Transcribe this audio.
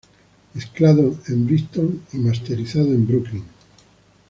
Mezclado en Brighton y masterizado en Brooklyn.